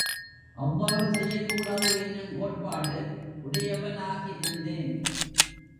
அவ்வாறு செய்யக்கூடாது என்னும் கோட்பாடு உடையவனாகிருந்தேன்.